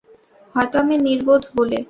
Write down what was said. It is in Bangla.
হয়তো আমি নির্বোধ বলে!